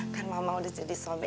kan mama udah jadi suami